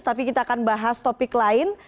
tapi kita akan bahas topik lain